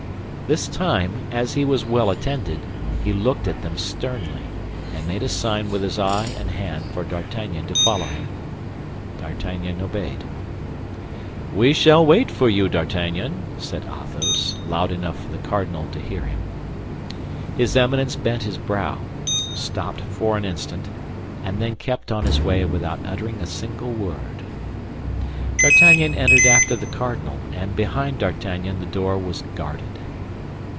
This time, as he was well attended, he looked at them sternly, and made a sign with his eye and hand for D'Artagnan to follow him. D'Artagnan obeyed. "We shall wait for you, D'Artagnan," said Athos, loud enough for the cardinal to hear him. His Eminence bent his brow, stopped for an instant, and then kept on his way without uttering a single word. D'Artagnan entered after the cardinal, and behind D'Artagnan the door was guarded.